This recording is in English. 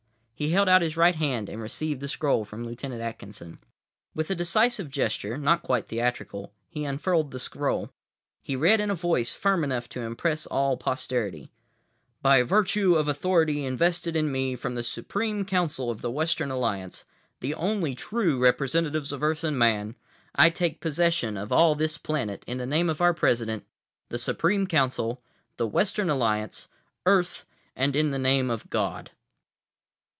He held out his right hand and received the scroll from Lieutenant Atkinson. With a decisive gesture, not quite theatrical, he unfurled the scroll. He read in a voice firm enough to impress all posterity: "By virtue of authority invested in me from the Supreme Council of the Western Alliance, the only true representatives of Earth and Man, I take possession of all this planet in the name of our President, the Supreme Council, the Western Alliance, Earth, and in the name of God."